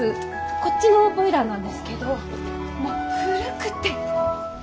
こっちのボイラーなんですけどもう古くて。